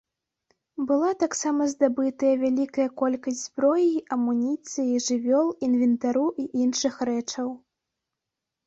Была таксама здабытая вялікая колькасць зброі, амуніцыі, жывёл, інвентару і іншых рэчаў.